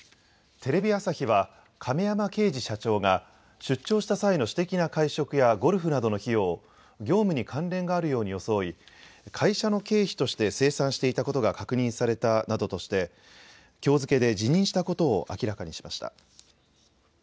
テレビ朝日は、亀山けいじ社長が、出張した際の私的な会食やゴルフなどの費用を、業務に関連があるように装い、会社の経費として精算していたことが確認されたなどとして、きょう付けで辞任したことを明らかにしました。